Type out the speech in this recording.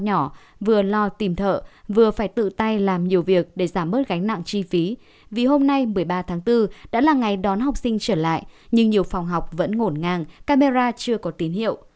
nhỏ tìm thợ vừa phải tự tay làm nhiều việc để giảm bớt gánh nặng chi phí vì hôm nay một mươi ba tháng bốn đã là ngày đón học sinh trở lại nhưng nhiều phòng học vẫn ngổn ngang camera chưa có tín hiệu